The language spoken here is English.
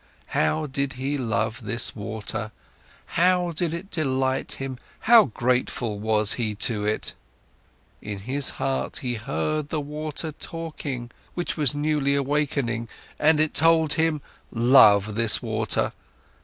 How did he love this water, how did it delight him, how grateful was he to it! In his heart he heard the voice talking, which was newly awaking, and it told him: Love this water!